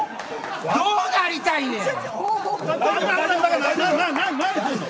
どうなりたいねん。